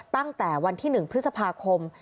ตั้งแต่วันที่๑พฤษภาคม